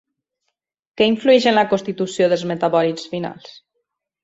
Què influeix en la constitució dels metabòlits finals?